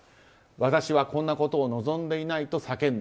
私はこんなことを望んでいないと叫んだ。